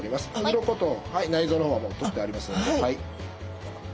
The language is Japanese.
鱗と内臓の方はもう取ってありますのではい。